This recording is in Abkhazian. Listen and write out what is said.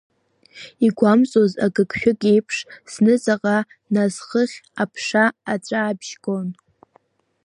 Игәамҵуаз агыгшәыг еиԥш, зны ҵаҟа, нас хыхь аԥша аҵәаабжь гон.